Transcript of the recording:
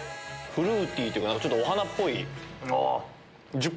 フルーティーっていうかちょっとお花っぽい。